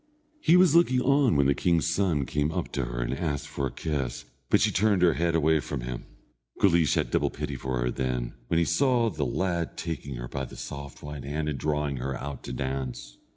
He was looking on when the king's son came up to her and asked her for a kiss, but she turned her head away from him. Guleesh had double pity for her then, when he saw the lad taking her by the soft white hand, and drawing her out to dance.